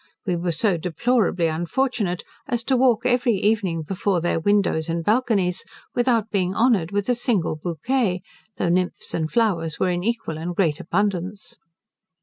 We were so deplorably unfortunate as to walk every evening before their windows and balconies, without being honoured with a single bouquet, though nymphs and flowers were in equal and great abundance.